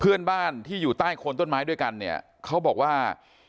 เพื่อนบ้านที่อยู่ใต้โคนต้นไม้ด้วยกันเนี่ยเขาบอกว่า